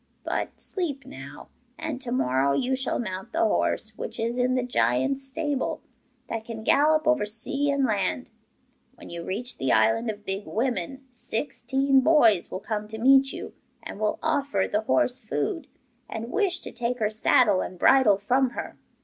But sleep now, and to morrow you shall mount the horse which is in the giant's stable, that can gallop over sea and land. When you reach the island of Big Women, sixteen boys will come to meet you, and will offer the horse food, and wish to take her saddle and bridle from her.